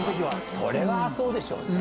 それはそうでしょうね。